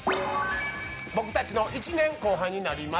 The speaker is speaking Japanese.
僕たちの１年後輩になります